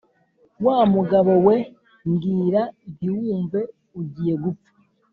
wa mugabo we mbwira ntiwumve, ugiye gupfa.